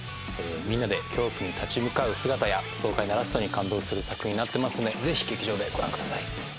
みんなで恐怖に立ち向かう姿や爽快なラストに感動する作品になってますのでぜひ劇場でご覧ください。